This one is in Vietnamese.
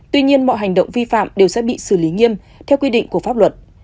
tuy nhiên mọi hành động vi phạm đều sẽ bị xử lý nghiêm theo quy định của pháp luật